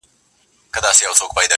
ته پوهیږې د ابا سیوری دي څه سو؟-!